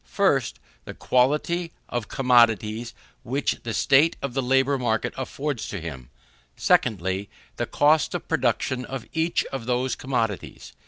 1st, the quantity of commodities which the state of the labour market affords to him; 2ndly, the cost of production of each of those commodities.